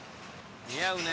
似合うね。